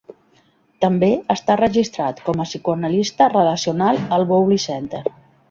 També està registrat com a psicoanalista relacional al Bowlby Center.